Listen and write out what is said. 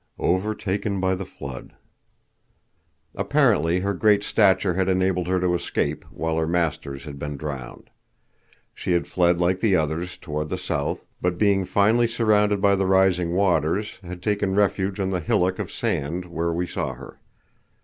Overtaken by the Flood. Apparently her great stature had enabled her to escape, while her masters had been drowned. She had fled like the others, toward the south, but being finally surrounded by the rising waters, had taken refuge on the hillock of sand, where we saw her.